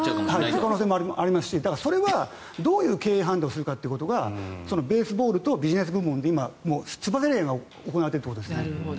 その可能性もありますしそれはどういう経営判断をするかがベースボールとビジネス部門でつばぜり合いが行われているということですね。